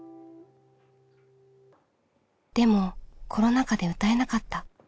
でもコロナ禍で歌えなかった。